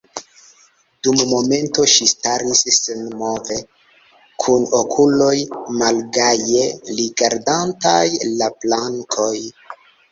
Dum momento ŝi staris senmove, kun okuloj malgaje rigardantaj la plankon.